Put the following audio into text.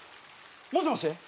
もしもし？